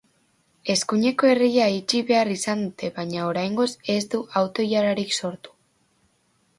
Eskuineko erreia itxi behar izan dute, baina oraingoz ez da auto-ilararik sortu.